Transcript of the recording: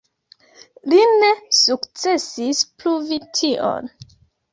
Li ne sukcesis pruvi tion.